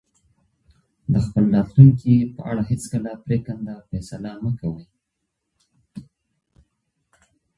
د خپل راتلونکي په اړه هیڅکله پرېکنده فیصله مه کوئ.